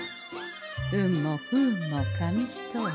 運も不運も紙一重。